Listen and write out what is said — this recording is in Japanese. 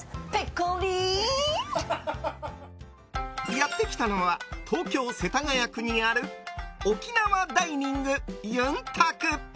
やってきたのは東京・世田谷区にある沖縄ダイニングゆんたく。